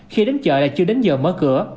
khi đến chợ là chưa đến giờ mở cửa